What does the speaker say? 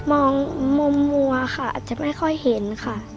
มองมุมมัวค่ะอาจจะไม่ค่อยเห็นค่ะ